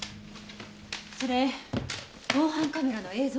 それ防犯カメラの映像？